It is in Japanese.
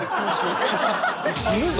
死ぬぞ。